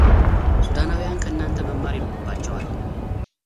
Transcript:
ሱዳናውያን ከእናንተ መማር ይኖርባቸዋል።